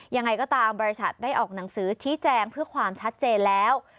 ยังไงก็ตามบริษัทได้ออกหนังสือชี้แจงเพื่อความชัดเจนแล้ว